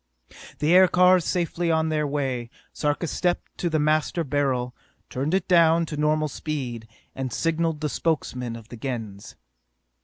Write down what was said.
The aircars safely on their way, Sarka stepped to the Master Beryl, tuned it down to normal speed, and signalled the Spokesmen of the Gens.